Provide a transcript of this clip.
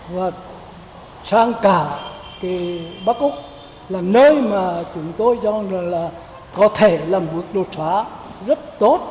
và sang cả cái bắc úc là nơi mà chúng tôi cho là có thể là một đột phá rất tốt